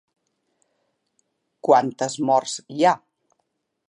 Quantes morts hi ha?